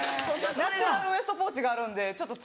ナチュラルウエストポーチがあるんでちょっと爪。